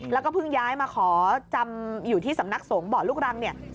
แล้วก็พึ่งย้ายมาขอจำอยู่ที่สำนักโสงบ่อลูกรัง